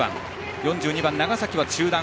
４２番、長崎は中段。